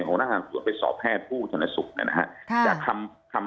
ของนักฐานส่วนไปสอบแพทย์ผู้ทนสุขนะครับ